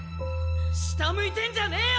下向いてんじゃねえよ！